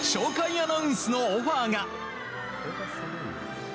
アナウンスのオファーが。